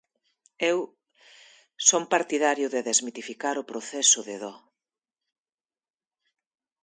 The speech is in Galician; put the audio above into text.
Eu son partidario de desmitificar o proceso de dó.